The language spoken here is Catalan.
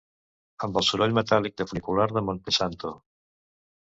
Amb el soroll metàl·lic del funicular de Montesanto.